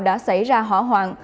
đã xảy ra hỏa hoạn